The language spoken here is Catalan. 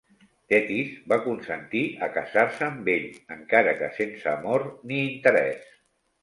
Tetis va consentir a casar-se amb ell, encara que sense amor ni interès.